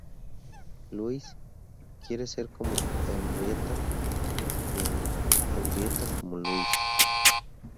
Louise quiere ser como Henrietta y Henrietta como Louise.